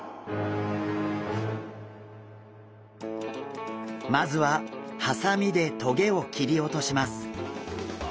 まずはハサミでトゲを切り落とします。